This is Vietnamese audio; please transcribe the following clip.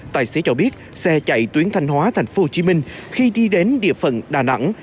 tài xế cho biết xe chạy tuyến thanh hóa thành phố hồ chí minh khi đi đến địa phận đà nẵng